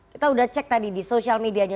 kita udah cek tadi di social medianya